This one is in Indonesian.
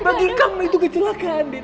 bagi kamu itu kecelakaan